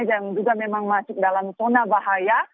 yang juga memang masuk dalam zona bahaya